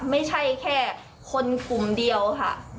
ไม่ใช่แค่คนกลุ่มเดียวค่ะ